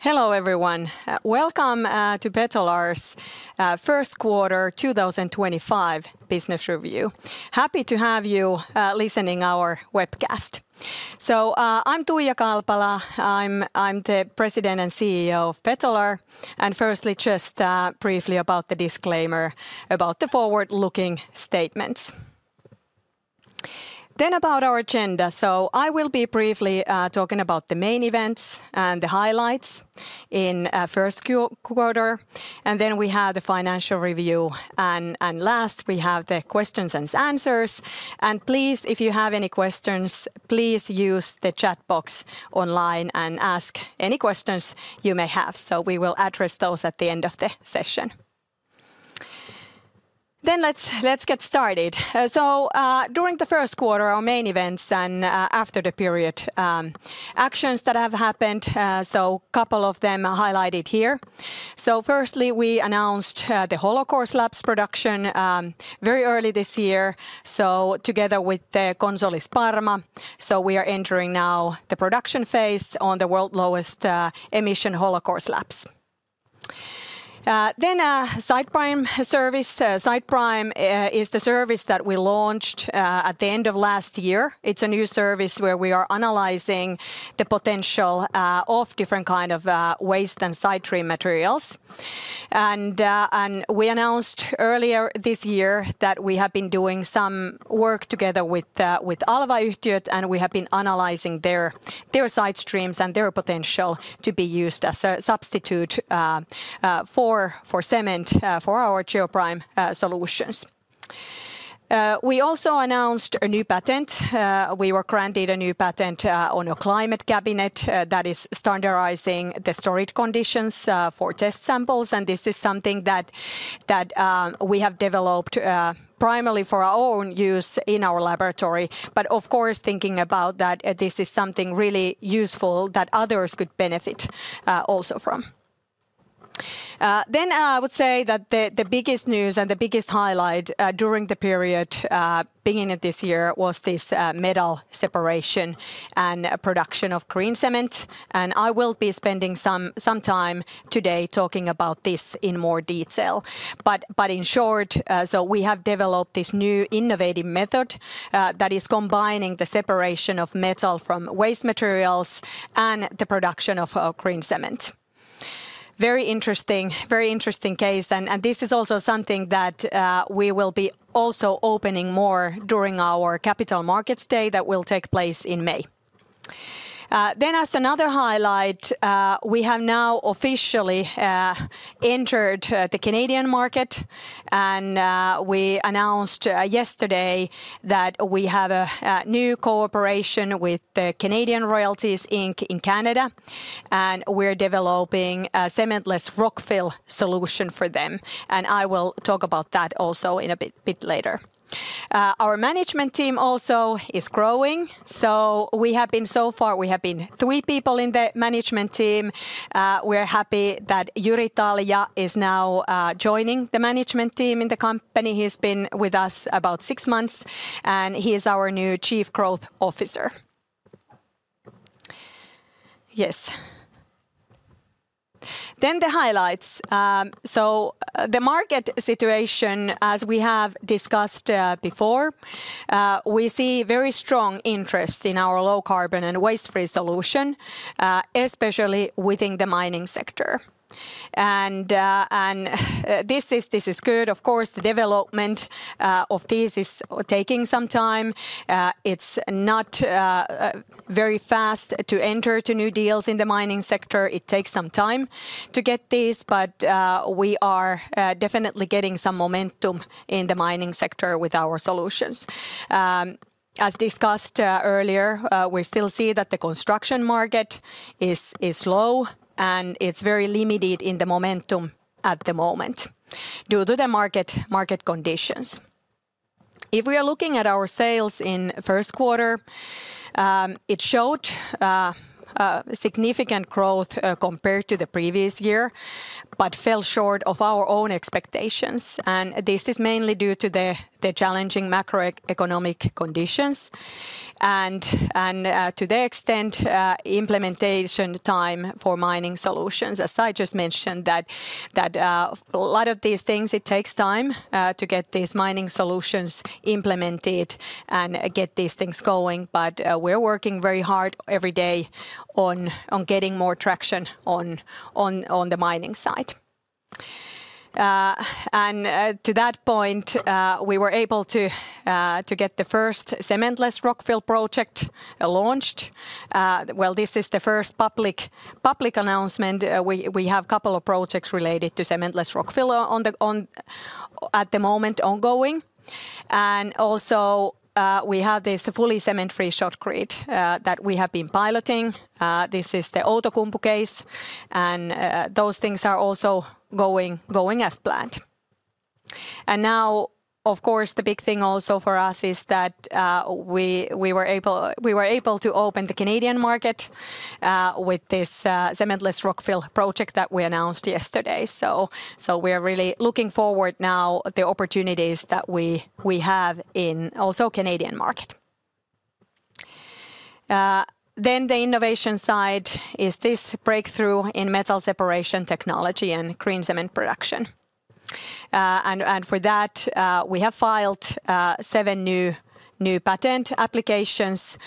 Hello everyone. Welcome to Betolar's first quarter 2025 business review. Happy to have you listening to our webcast. I am Tuija Kalpala. I am the President and CEO of Betolar. Firstly, just briefly about the disclaimer about the forward-looking statements. About our agenda, I will be briefly talking about the main events and the highlights in first quarter. We have the financial review. Last, we have the questions and answers. Please, if you have any questions, please use the chat box online and ask any questions you may have. We will address those at the end of the session. Let's get started. During the first quarter, our main events and after the period, actions that have happened. A couple of them are highlighted here. Firstly, we announced the hollow core slabs production very early this year. Together with Konsoli Parma, we are entering now the production phase on the world's lowest emission hollow core slabs. The SidePrime service. SidePrime is the service that we launched at the end of last year. It's a new service where we are analyzing the potential of different kinds of waste and side stream materials. We announced earlier this year that we have been doing some work together with Alva Yhtiöt. We have been analyzing their side streams and their potential to be used as a substitute for cement for our GeoPrime solutions. We also announced a new patent. We were granted a new patent on a climate cabinet that is standardizing the storage conditions for test samples. This is something that we have developed primarily for our own use in our laboratory. Of course, thinking about that, this is something really useful that others could benefit also from. I would say that the biggest news and the biggest highlight during the period beginning this year was this metal separation and production of green cement. I will be spending some time today talking about this in more detail. In short, we have developed this new innovative method that is combining the separation of metal from waste materials and the production of green cement. Very interesting case. This is also something that we will be also opening more during our capital markets day that will take place in May. As another highlight, we have now officially entered the Canadian market. We announced yesterday that we have a new cooperation with Canadian Royalties in Canada. We are developing a cementless rock fill solution for them. I will talk about that also a bit later. Our management team also is growing. We have been, so far, three people in the management team. We are happy that Juri Talja is now joining the management team in the company. He has been with us about six months, and he is our new Chief Growth Officer. Yes. The highlights. The market situation, as we have discussed before, we see very strong interest in our low-carbon and waste-free solution, especially within the mining sector. This is good. Of course, the development of this is taking some time. It is not very fast to enter new deals in the mining sector. It takes some time to get these. We are definitely getting some momentum in the mining sector with our solutions. As discussed earlier, we still see that the construction market is low and it's very limited in the momentum at the moment due to the market conditions. If we are looking at our sales in first quarter, it showed significant growth compared to the previous year, but fell short of our own expectations. This is mainly due to the challenging macroeconomic conditions. To the extent implementation time for mining solutions, as I just mentioned, a lot of these things, it takes time to get these mining solutions implemented and get these things going. We are working very hard every day on getting more traction on the mining side. To that point, we were able to get the first cementless rock fill project launched. This is the first public announcement. We have a couple of projects related to cementless rock fill at the moment ongoing. We also have this fully cement-free shotcrete that we have been piloting. This is the Outokumpu case. Those things are also going as planned. Now, of course, the big thing for us is that we were able to open the Canadian market with this cementless rock fill project that we announced yesterday. We are really looking forward now to the opportunities that we have in the Canadian market. The innovation side is this breakthrough in metal separation technology and green cement production. For that, we have filed seven new patent applications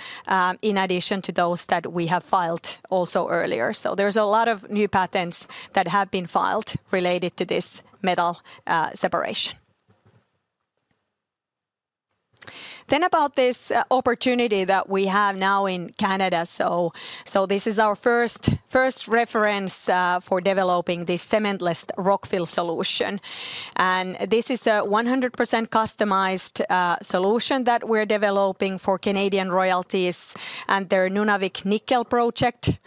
in addition to those that we have filed earlier. There are a lot of new patents that have been filed related to this metal separation. About this opportunity that we have now in Canada, this is our first reference for developing this cementless rock fill solution. This is a 100% customized solution that we're developing for Canadian Royalties and their Nunavik Nickel project.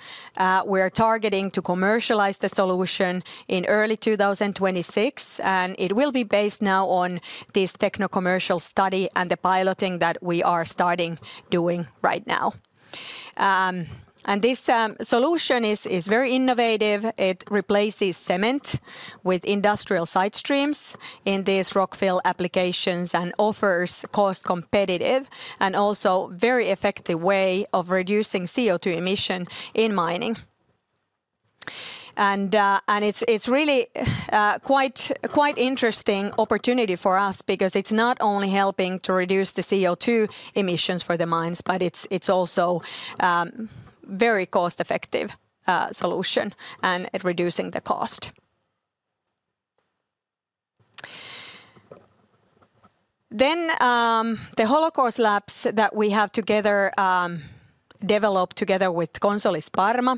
We are targeting to commercialize the solution in early 2026. It will be based now on this techno-commercial study and the piloting that we are starting doing right now. This solution is very innovative. It replaces cement with industrial side streams in these rock fill applications and offers a cost-competitive and also very effective way of reducing CO2 emission in mining. It's really quite an interesting opportunity for us because it's not only helping to reduce the CO2 emissions for the mines, but it's also a very cost-effective solution and at reducing the cost. The hollow core slabs that we have developed together with Konsoli Parma.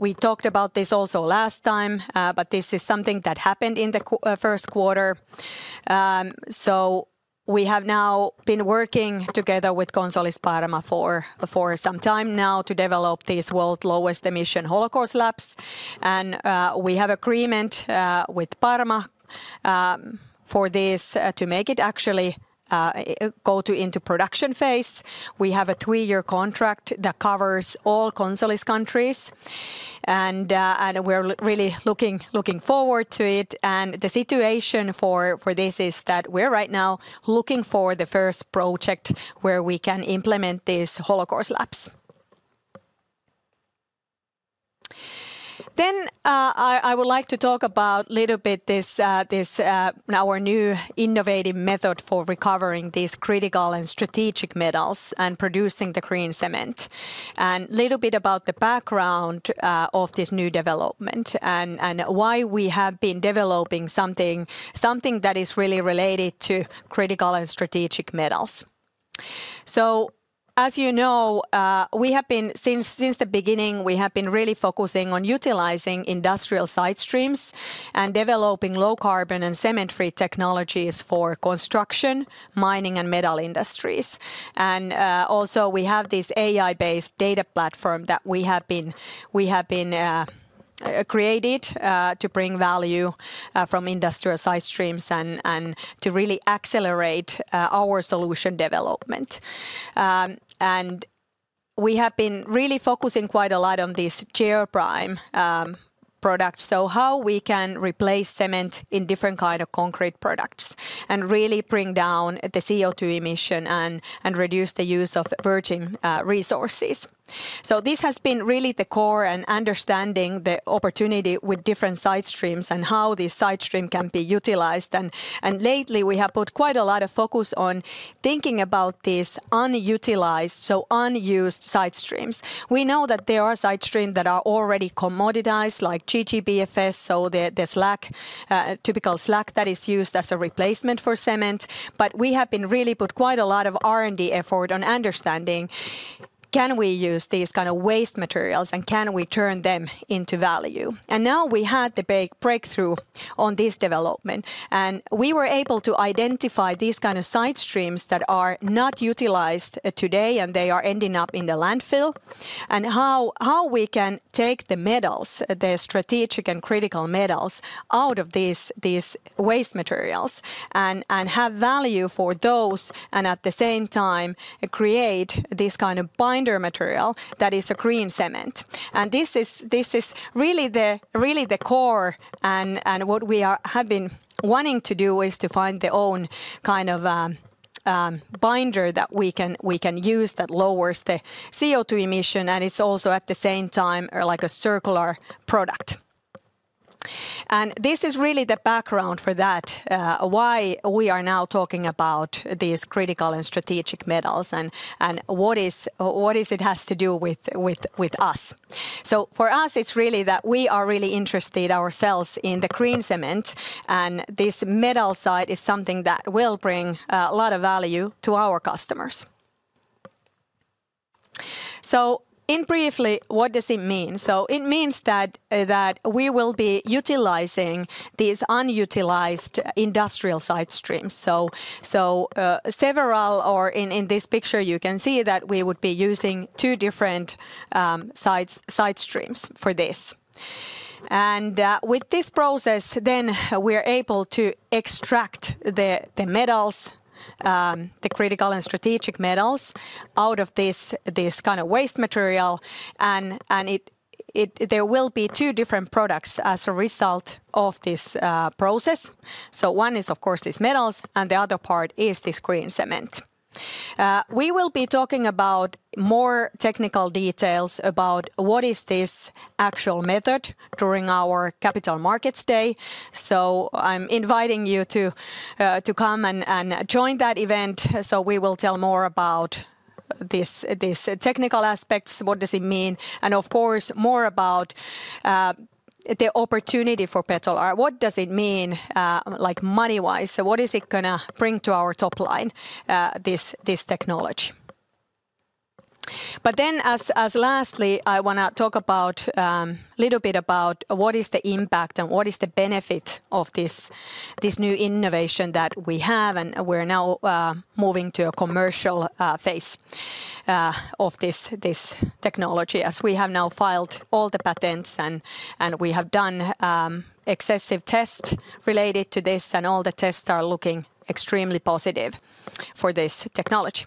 We talked about this also last time, but this is something that happened in the first quarter. We have now been working together with Konsoli Parma for some time now to develop these world's lowest emission hollow core slabs. We have an agreement with Parma for this to make it actually go into the production phase. We have a three-year contract that covers all Konsoli's countries. We're really looking forward to it. The situation for this is that we're right now looking for the first project where we can implement these hollow core slabs. I would like to talk a little bit about our new innovative method for recovering these critical and strategic metals and producing the green cement. A little bit about the background of this new development and why we have been developing something that is really related to critical and strategic metals. As you know, since the beginning, we have been really focusing on utilizing industrial side streams and developing low carbon and cement-free technologies for construction, mining, and metal industries. We have this AI-based data platform that we have been created to bring value from industrial side streams and to really accelerate our solution development. We have been really focusing quite a lot on this GeoPrime product. How we can replace cement in different kinds of concrete products and really bring down the CO2 emission and reduce the use of virgin resources. This has been really the core and understanding the opportunity with different side streams and how these side streams can be utilized. Lately we have put quite a lot of focus on thinking about these unutilized, so unused side streams. We know that there are side streams that are already commoditized like GGBFS, so the typical slag that is used as a replacement for cement. We have been really putting quite a lot of R&D effort on understanding can we use these kinds of waste materials and can we turn them into value. Now we had the breakthrough on this development. We were able to identify these kinds of side streams that are not utilized today and they are ending up in the landfill. How we can take the metals, the strategic and critical metals out of these waste materials and have value for those and at the same time create this kind of binder material that is a green cement. This is really the core and what we have been wanting to do is to find the own kind of binder that we can use that lowers the CO2 emission. It is also at the same time like a circular product. This is really the background for that, why we are now talking about these critical and strategic metals and what it has to do with us. For us, it is really that we are really interested ourselves in the green cement. This metal side is something that will bring a lot of value to our customers. In briefly, what does it mean? It means that we will be utilizing these unutilized industrial side streams. In this picture you can see that we would be using two different side streams for this. With this process, we are able to extract the metals, the critical and strategic metals out of this kind of waste material. There will be two different products as a result of this process. One is, of course, these metals, and the other part is this green cement. We will be talking about more technical details about what is this actual method during our capital markets day. I am inviting you to come and join that event. We will tell more about these technical aspects, what does it mean, and of course more about the opportunity for Betolar. What does it mean money-wise? What is it going to bring to our top line, this technology? Lastly, I want to talk a little bit about what is the impact and what is the benefit of this new innovation that we have. We're now moving to a commercial phase of this technology as we have now filed all the patents and we have done excessive tests related to this and all the tests are looking extremely positive for this technology.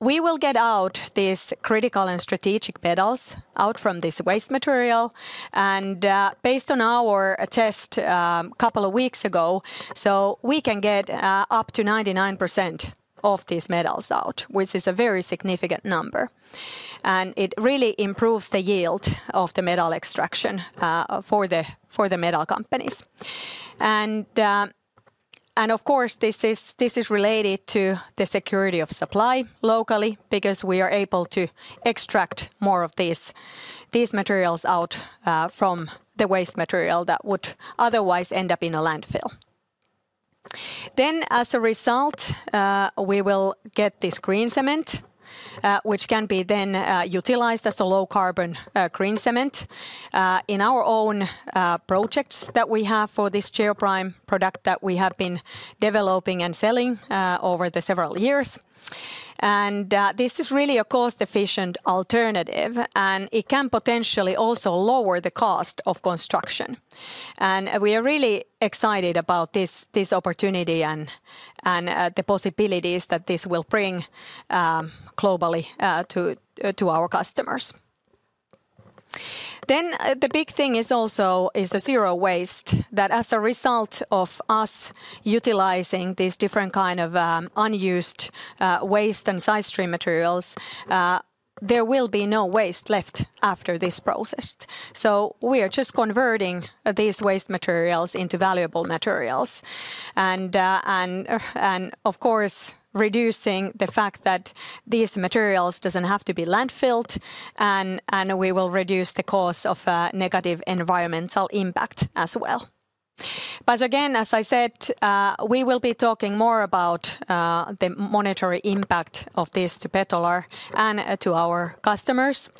We will get out these critical and strategic metals out from this waste material. Based on our test a couple of weeks ago, we can get up to 99% of these metals out, which is a very significant number. It really improves the yield of the metal extraction for the metal companies. Of course, this is related to the security of supply locally because we are able to extract more of these materials out from the waste material that would otherwise end up in a landfill. As a result, we will get this green cement, which can be then utilized as a low carbon green cement in our own projects that we have for this GeoPrime product that we have been developing and selling over the several years. This is really a cost-efficient alternative. It can potentially also lower the cost of construction. We are really excited about this opportunity and the possibilities that this will bring globally to our customers. The big thing is also zero waste, that as a result of us utilizing these different kinds of unused waste and side stream materials, there will be no waste left after this process. We are just converting these waste materials into valuable materials. Of course, reducing the fact that these materials do not have to be landfilled. We will reduce the cost of negative environmental impact as well. But again, as I said, we will be talking more about the monetary impact of this to Betolar and to our customers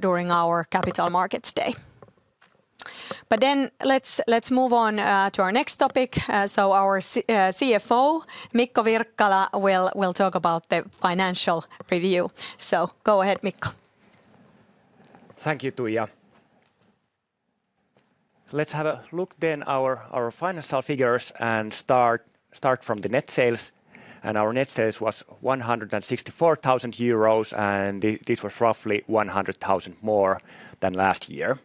during our capital markets day. Let's move on to our next topic. Our CFO, Mikko Wirkkala, will talk about the financial review. Go ahead, Mikko. Thank you, Tuija. Let's have a look then at our financial figures and start from the net sales. Our net sales was 164,000 euros. This was roughly 100,000 more than last year.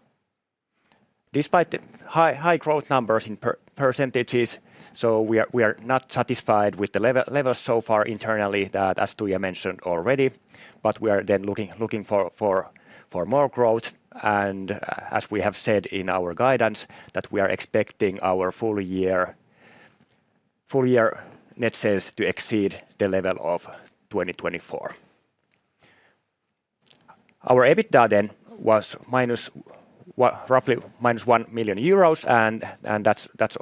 Despite the high growth numbers in percentage, we are not satisfied with the level so far internally, as Tuija mentioned already, but we are looking for more growth. As we have said in our guidance, we are expecting our full year net sales to exceed the level of 2024. Our EBITDA then was roughly minus 1 million euros. That is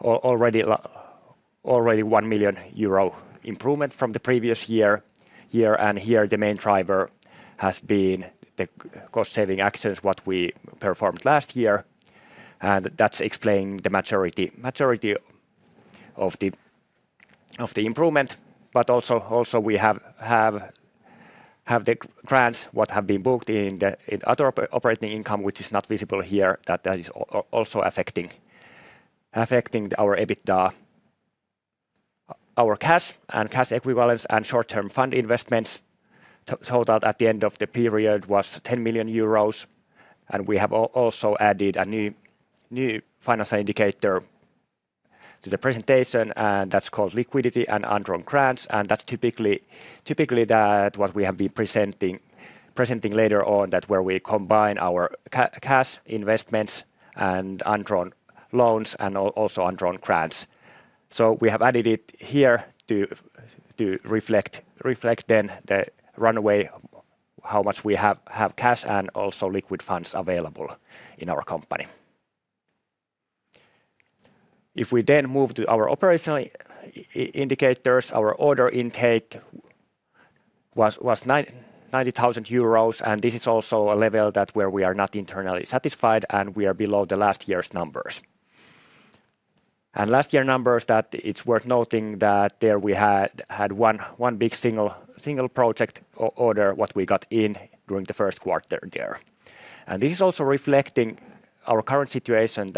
already a 1 million euro improvement from the previous year. Here the main driver has been the cost-saving actions that we performed last year. That is explaining the majority of the improvement. We also have the grants that have been booked in other operating income, which is not visible here. That is also affecting our EBITDA, our cash and cash equivalents, and short-term fund investments. At the end of the period, that was 10 million euros. We have also added a new financial indicator to the presentation. That is called liquidity and Andron grants. That is typically what we have been presenting later on, where we combine our cash investments and Andron loans and also Andron grants. We have added it here to reflect the runway, how much we have cash and also liquid funds available in our company. If we then move to our operational indicators, our order intake was 90,000 euros. This is also a level where we are not internally satisfied and we are below last year's numbers. Last year's numbers, it's worth noting that there we had one big single project order that we got in during the first quarter there. This is also reflecting our current situation,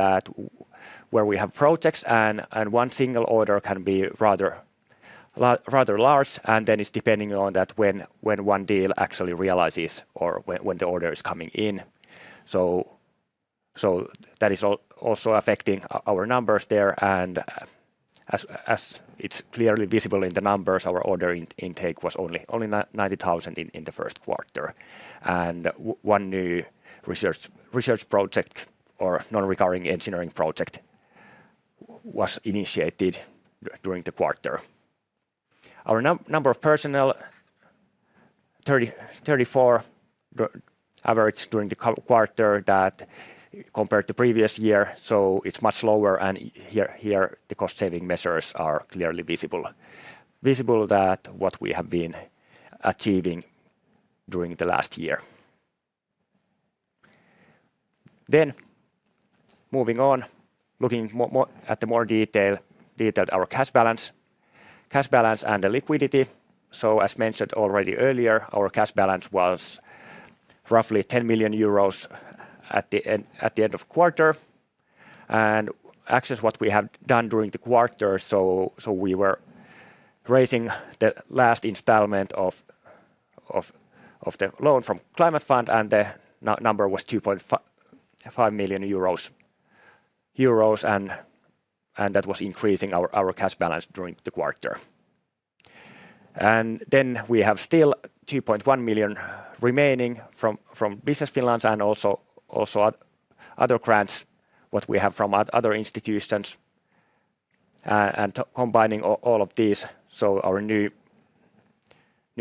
where we have projects and one single order can be rather large. It depends on when one deal actually realizes or when the order is coming in. That is also affecting our numbers there. As it's clearly visible in the numbers, our order intake was only 90,000 in the first quarter. One new research project or non-recurring engineering project was initiated during the quarter. Our number of personnel, 34 average during the quarter, that compared to previous year. It is much lower. Here the cost-saving measures are clearly visible, what we have been achieving during the last year. Moving on, looking at the more detailed our cash balance and the liquidity. As mentioned already earlier, our cash balance was roughly 10 million euros at the end of quarter. Access what we have done during the quarter. We were raising the last installment of the loan from Climate Fund and the number was 2.5 million euros. That was increasing our cash balance during the quarter. We have still 2.1 million remaining from Business Finland and also other grants what we have from other institutions. Combining all of these, our new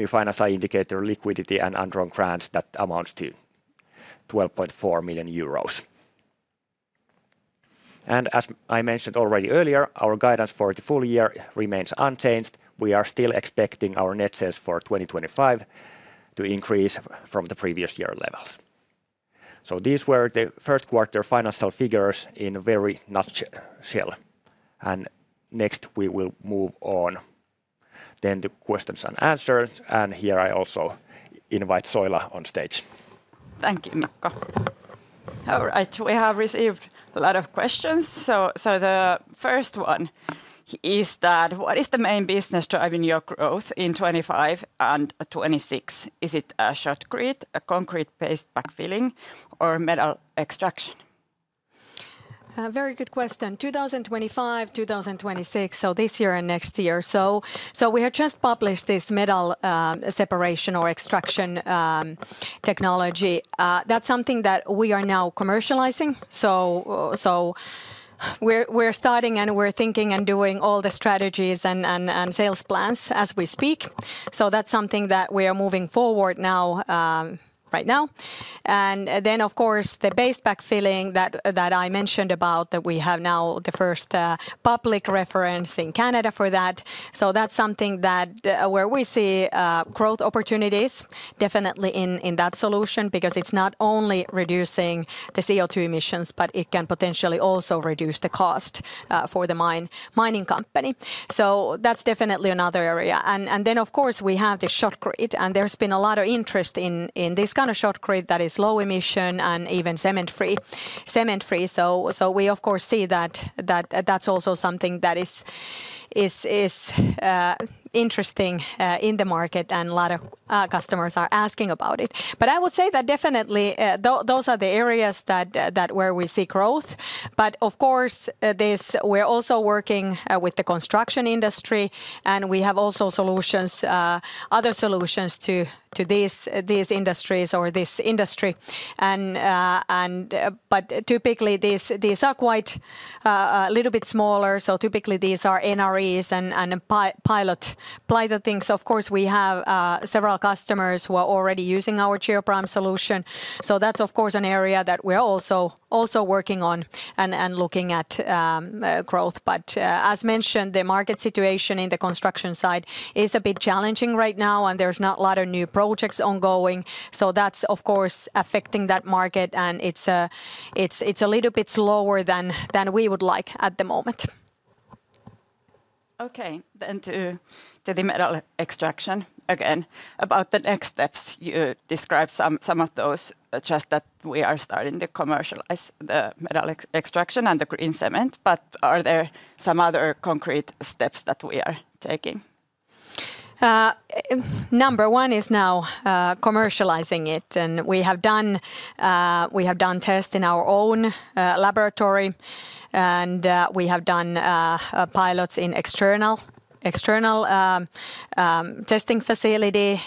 financial indicator liquidity and Andron grants that amounts to 12.4 million euros. As I mentioned already earlier, our guidance for the full year remains unchanged. We are still expecting our net sales for 2025 to increase from the previous year levels. These were the first quarter financial figures in a very nutshell. Next, we will move on to questions and answers. Here I also invite Soila on stage. Thank you, Mikko. All right, we have received a lot of questions. The first one is, what is the main business driving your growth in 2025 and 2026? Is it shotcrete, concrete-based backfilling, or metal extraction? Very good question. 2025, 2026, this year and next year. We have just published this metal separation or extraction technology. That is something that we are now commercializing. We are starting and we are thinking and doing all the strategies and sales plans as we speak. That is something that we are moving forward right now. Of course, the base backfilling that I mentioned, we have now the first public reference in Canada for that. That is something where we see growth opportunities definitely in that solution because it is not only reducing the CO2 emissions, but it can potentially also reduce the cost for the mining company. That is definitely another area. Of course, we have the shotcrete. There has been a lot of interest in this kind of shotcrete that is low emission and even cement-free. We see that is also something that is interesting in the market and a lot of customers are asking about it. I would say that definitely those are the areas where we see growth. Of course we're also working with the construction industry and we have also other solutions to these industries or this industry. Typically these are quite a little bit smaller. Typically these are NREs and pilot things. Of course we have several customers who are already using our GeoPrime solution. That's of course an area that we're also working on and looking at growth. As mentioned, the market situation in the construction side is a bit challenging right now and there's not a lot of new projects ongoing. That's of course affecting that market and it's a little bit slower than we would like at the moment. Okay, to the metal extraction again. About the next steps, you described some of those just that we are starting to commercialize the metal extraction and the green cement. Are there some other concrete steps that we are taking? Number one is now commercializing it. We have done tests in our own laboratory. We have done pilots in external testing facility.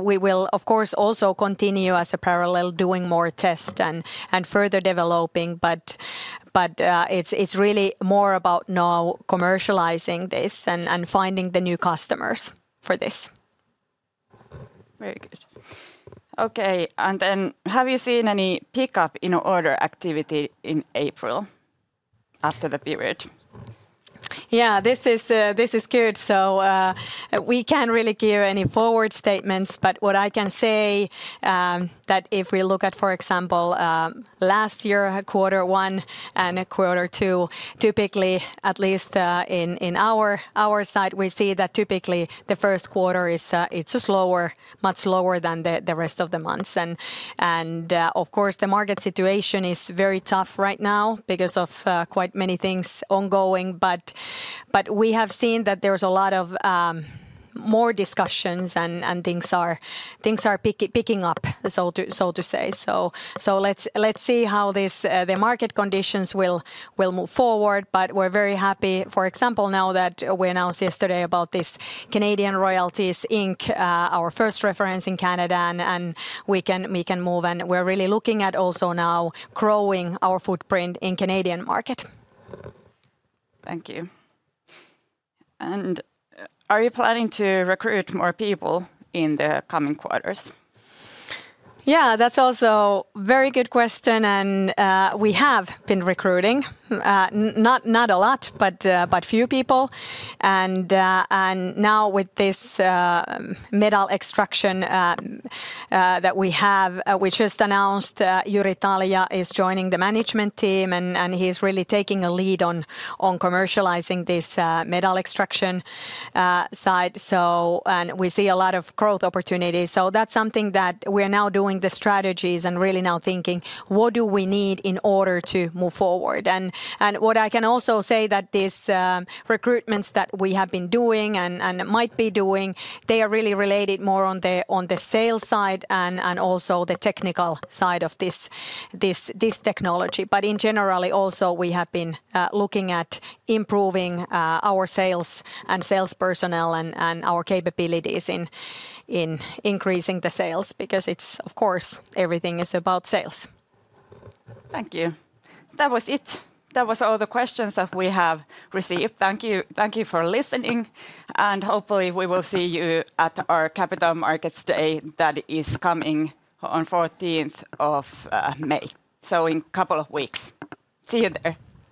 We will of course also continue as a parallel doing more tests and further developing. It is really more about now commercializing this and finding the new customers for this. Very good. Okay, have you seen any pickup in order activity in April after the period? This is good. We can't really give any forward statements. What I can say is that if we look at, for example, last year quarter one and quarter two, typically at least in our side, we see that typically the first quarter is slower, much slower than the rest of the months. Of course the market situation is very tough right now because of quite many things ongoing. We have seen that there's a lot of more discussions and things are picking up, so to say. Let's see how the market conditions will move forward. We're very happy, for example, now that we announced yesterday about this Canadian Royalties, our first reference in Canada. We can move. We're really looking at also now growing our footprint in the Canadian market. Thank you. Are you planning to recruit more people in the coming quarters? Yeah, that's also a very good question. We have been recruiting, not a lot, but a few people. Now with this metal extraction that we have, we just announced Juri Talja is joining the management team. He's really taking a lead on commercializing this metal extraction side. We see a lot of growth opportunities. That is something that we are now doing the strategies and really now thinking what do we need in order to move forward. What I can also say is that these recruitments that we have been doing and might be doing, they are really related more on the sales side and also the technical side of this technology. In general, also we have been looking at improving our sales and sales personnel and our capabilities in increasing the sales because of course everything is about sales. Thank you. That was it. That was all the questions that we have received. Thank you for listening. Hopefully we will see you at our capital markets day that is coming on 14th of May, in a couple of weeks. See you there.